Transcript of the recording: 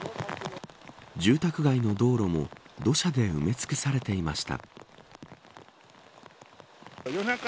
住宅街の道路も土砂で埋め尽くされていました。